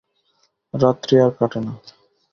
রাত্রি আর কাটে না।